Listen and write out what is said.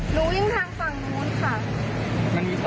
วิ่งทางฝั่งนู้นค่ะ